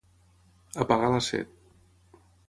Apagar la set.